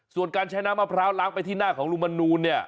ส่วนการใช้น้ำมะพร้าวล้างไปที่หน้าของลุงมนูนเนี่ย